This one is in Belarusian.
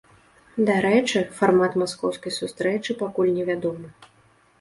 Дарэчы, фармат маскоўскай сустрэчы пакуль невядомы.